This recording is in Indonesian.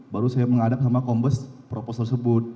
baru saya menghadap sama kombes propos tersebut